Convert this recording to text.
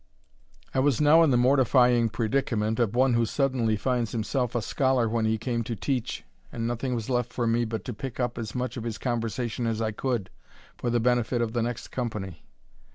I was now in the mortifying predicament of one who suddenly finds himself a scholar when he came to teach, and nothing was left for me but to pick up as much of his conversation as I could, for the benefit of the next company.